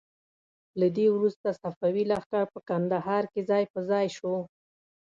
له دې وروسته صفوي لښکر په کندهار کې ځای په ځای شو.